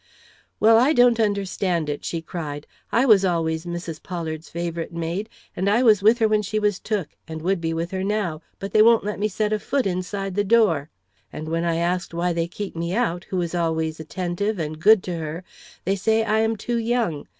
"Well, I don't understand it!" she cried. "I was always Mrs. Pollard's favorite maid, and I was with her when she was took, and would be with her now, but they won't let me set a foot inside the door. And when I asked why they keep me out, who was always attentive and good to her, they say I am too young.